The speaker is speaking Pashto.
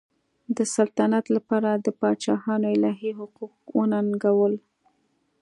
د سلطنت لپاره د پاچاهانو الهي حقوق وننګول.